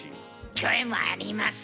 キョエもあります。